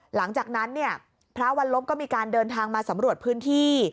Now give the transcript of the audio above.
หลังจากนั้นเนี่ยพระวันลบก็มีการเดินทางมาสำรวจพื้นที่